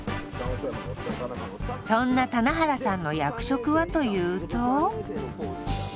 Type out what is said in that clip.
そんな棚原さんの役職はというと。